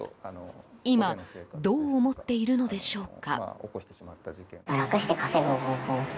今どう思っているのでしょうか？